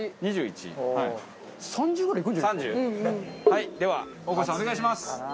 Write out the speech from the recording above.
はいでは大越さんお願いします。